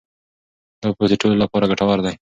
دا پوسټ د ټولو لپاره ګټور دی.